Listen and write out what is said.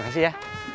terima kasih ya